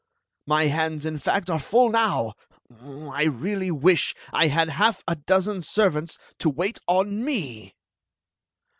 My hands, in fact, are full now. I really wish I had half a dozen servants to wait on me!''